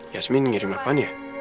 yasmin ngirim apaan ya